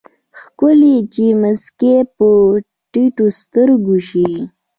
ښکلے چې مسکې په ټيټو سترګو شي